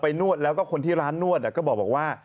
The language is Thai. นวดแล้วก็คนที่ร้านนวดก็บอกว่า